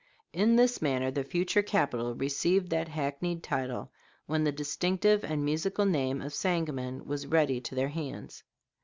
In this manner the future capital received that hackneyed title, when the distinctive and musical name of Sangamon was ready to their hands.